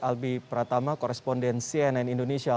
albi pratama korespondensi nn indonesia